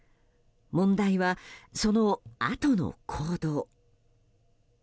問題はそのあとの行動。